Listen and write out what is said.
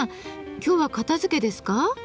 今日は片づけですか？